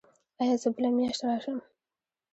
ایا زه بله میاشت راشم؟